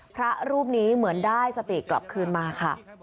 พระรูปนี้เหมือนได้สติกลับคืนมาค่ะ